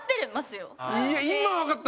いや今わかった。